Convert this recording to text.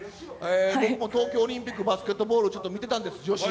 僕も東京オリンピックバスケットボール、ちょっと見てたんです、女子。